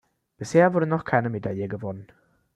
Bisher wurde noch keine Medaille gewonnen.